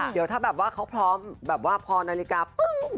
เดี๋ยวถ้าแบบว่าเขาพร้อมแบบว่าพอนาฬิกาปุ๊บ